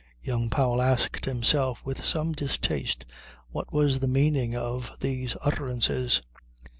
Young Powell asked himself with some distaste what was the meaning of these utterances.